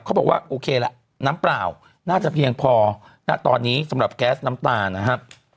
เขาบอกว่าโอเคละน้ำเปล่าน่าจะเพียงพอณตอนนี้สำหรับแก๊สน้ำตานะครับ